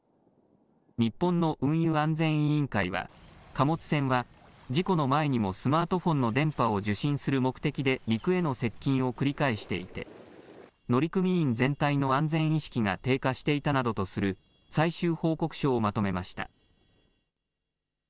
日本の運輸安全委員会は貨物船は事故の前にもスマートフォンの電波を受信する目的で陸への接近を繰り返していて乗組員全体の安全意識が低下していたなどとする最終報告書をまとめました。